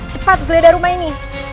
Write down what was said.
cepat gleda rumah ini